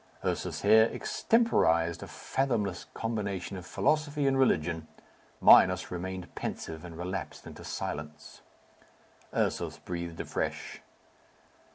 Ursus here extemporized a fathomless combination of philosophy and religion. Minos remained pensive, and relapsed into silence. Ursus breathed afresh.